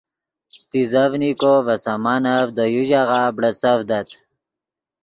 تیزڤنیکو ڤے سامانف دے یو ژاغہ بڑیڅڤدت